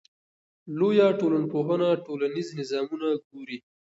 لویه ټولنپوهنه ټولنیز نظامونه ګوري.